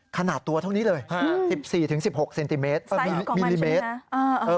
ขนาดตัวเท่านี้เลย๑๔๑๖มิลลิเมตร